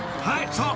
そう。